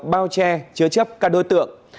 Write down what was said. pháp luật bao che chứa chấp các đối tượng